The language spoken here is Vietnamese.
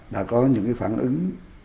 đã có những cái phản ứng